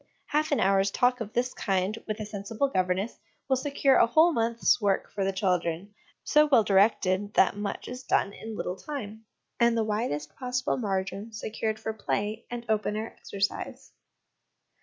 Half an hour's talk of this kind with a sensible governess will secure a whole month's work for the children, so well directed that much is done in little time, and the widest possible margin secured for play and open air exercise.